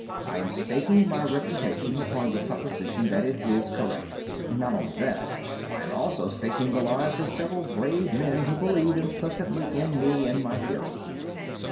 I am staking my reputation upon the supposition that it is correct. Not only that, but I am also staking the lives of several brave men who believe implicitly in me and my theory.